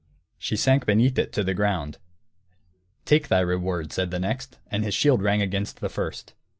She sank beneath it, to the ground. "Take thy reward," said the next; and his shield rang against the first.